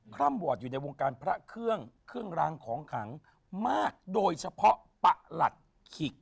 ร่ำวอร์ดอยู่ในวงการพระเครื่องเครื่องรางของขังมากโดยเฉพาะประหลัดขิก